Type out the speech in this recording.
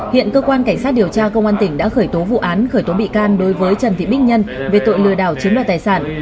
hiện cơ quan cảnh sát điều tra công an tỉnh đã khởi tố vụ án khởi tố bị can đối với trần thị bích nhân về tội lừa đảo chiếm đoạt tài sản